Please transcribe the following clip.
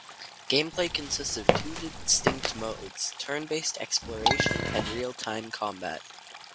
Gameplay consists of two distinct modes: Turn based exploration and real time combat.